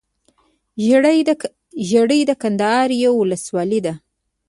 ژړۍ دکندهار يٶه ولسوالې ده